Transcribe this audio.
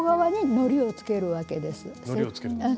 のりをつけるんですね。